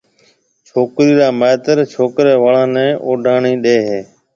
ڇوڪرِي را مائيتر ڇوڪرَي آݪو نيَ اوڊوڻِي ڏَي ھيََََ